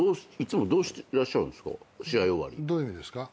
どういう意味ですか？